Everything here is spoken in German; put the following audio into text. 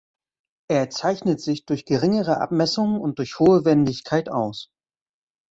Er zeichnet sich durch geringere Abmessungen und durch hohe Wendigkeit aus.